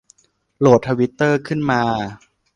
โหลดทวิตเตอร์ขึ้นมา